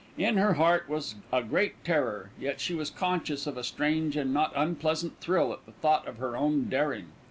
In her heart was a great terror; yet she was conscious of a strange and not unpleasant thrill at the thought of her own daring.